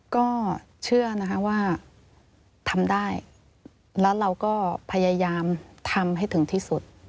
ก็เชื่อนะคะว่าทำได้แล้วเราก็พยายามทำให้ถึงที่สุด